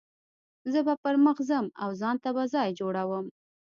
زه به پر مخ ځم او ځان ته به ځای جوړوم.